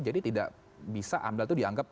jadi tidak bisa amdal itu dianggap